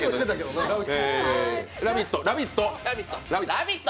ラヴィット！